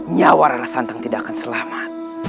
nyawar rala santang tidak akan selamat